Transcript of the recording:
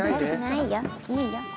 いいよ。